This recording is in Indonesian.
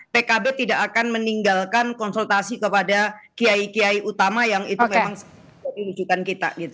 pkb tidak akan meninggalkan konsultasi kepada kiai kiai utama yang itu memang jadi rujukan kita gitu